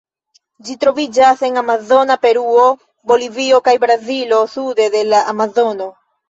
Ĝi troviĝas en Amazona Peruo, Bolivio kaj Brazilo sude de la Amazono.